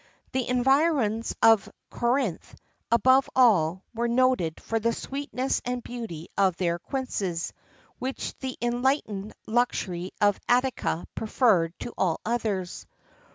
The environs of Corinth, above all, were noted for the sweetness and beauty of their quinces,[XIII 2] which the enlightened luxury of Attica preferred to all others.